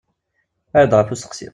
Err-d ɣef usteqsi.